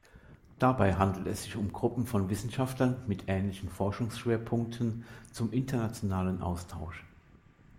Dabei handelt es sich Gruppen von Wissenschaftlern mit ähnlichen Forschungsschwerpunkten zum internationalen Austausch.